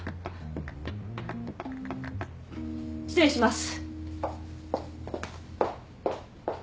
失礼します。